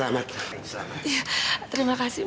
mas apa tidak cukup